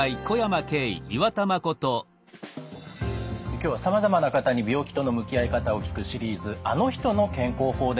今日はさまざまな方に病気との向き合い方を聞くシリーズ「あの人の健康法」です。